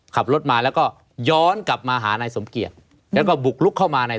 ขับรถมาแล้วก็ย้อนกลับมาหานายสมเกียจแล้วก็บุกลุกเข้ามาใน